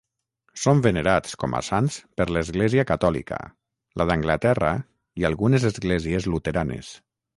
Són venerats com a sants per l'Església catòlica, la d'Anglaterra i algunes esglésies luteranes.